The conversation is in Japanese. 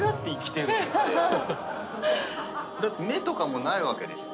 だって目とかもないわけでしょ？